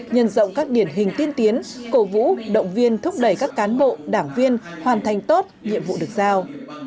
nhân rộng các điển hình tiên tiến cổ vũ động viên thúc đẩy các cán bộ đảng viên hoàn thành tốt nhiệm vụ được giao